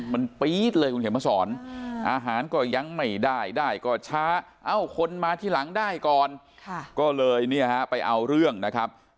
มันปี๊ดเลยคุณเขียนมาสอนอาหารก็ยังไม่ได้ได้ก็ช้าเอ้าคนมาที่หลังได้ก่อนก็เลยเนี่ยฮะไปเอาเรื่องนะครับ